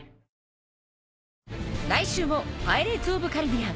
来週も『パイレーツ・オブ・カリビアン』